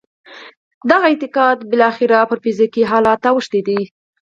دغه اعتقاد بالاخره پر فزیکي حالت اوښتی دی